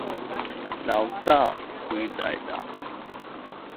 牢大回来了